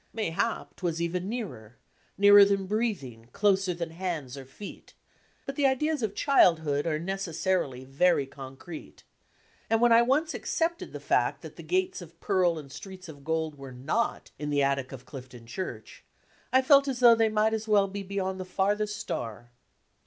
Mayhap, 'twas even nearer, "nearer than breathing, closer than hands or feet" but the ideas of childhood are, necessarily, very concrete; and when I once accepted the faa that the gates of pearl and streets of gold were not in the attic of Clifton Church, I felt as though they might as welt be beyond the farthest star.